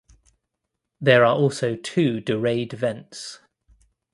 There are also two Dorade vents.